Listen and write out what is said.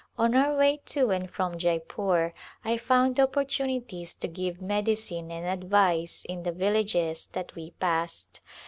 On our way to and from Jeypore I found opportu nities to give medicine and advice in the villages that we passed.